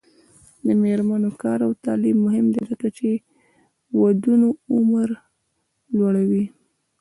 د میرمنو کار او تعلیم مهم دی ځکه چې ودونو عمر لوړوي.